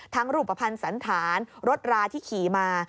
รูปภัณฑ์สันธารรถราที่ขี่มา